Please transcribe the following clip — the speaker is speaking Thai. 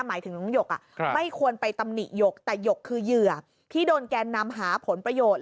หมายถึงน้องหยกไม่ควรไปตำหนิหยกแต่หยกคือเหยื่อที่โดนแกนนำหาผลประโยชน์